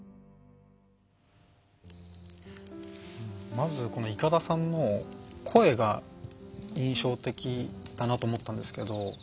まず、いかださんの声が印象的だなと思ったんですけど